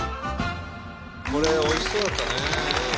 これおいしそうだったね！